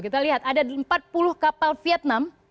kita lihat ada empat puluh kapal vietnam